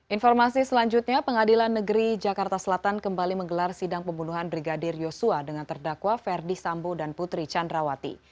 informasi selanjutnya pengadilan negeri jakarta selatan kembali menggelar sidang pembunuhan brigadir yosua dengan terdakwa ferdi sambo dan putri candrawati